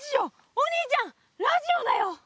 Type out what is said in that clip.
お兄ちゃんラジオだよ！